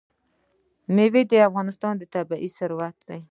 مېوې د افغانستان طبعي ثروت دی.